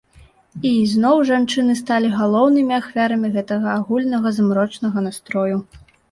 І ізноў жанчыны сталі галоўнымі ахвярамі гэтага агульнага змрочнага настрою.